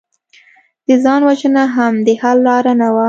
د ځان وژنه هم د حل لاره نه وه